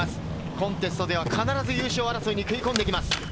コンテストでは必ず優勝争いに食い込んできます。